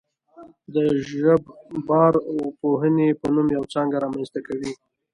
د ژبارواپوهنې په نوم یوه څانګه رامنځته کوي